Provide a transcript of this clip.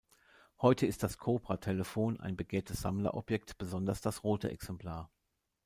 Heute ist das Kobra-Telefon ein begehrtes Sammlerobjekt, besonders das rote Exemplar.